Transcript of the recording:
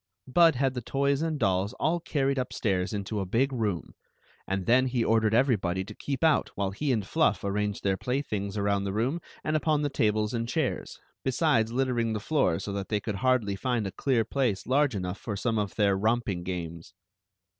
Bud had the toys and dolls all carried upstairs into a big room, and then he ordered everybody to keep out while he and Fluff arranged their playthings around the room and upon the tables and chairs, besides littering the floor so that they could hardly find a clear place large enough for some of their romp ing games.